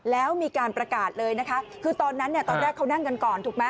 แล้วมีการประกาศเลยคือตอนนั้นตอนแรกเขานั่งกันก่อน